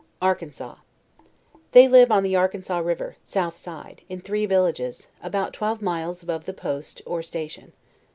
ARKANSAS. They live on the Arkansas river, south side, in three villages, about twelve miles above the post, or sta tion.